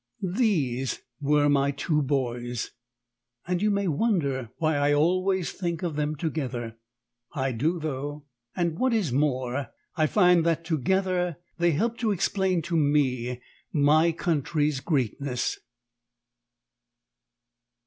These were my two boys; and you may wonder why I always think of them together. I do, though: and, what is more, I find that together they help to explain to me my country's greatness.